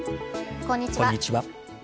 こんにちは。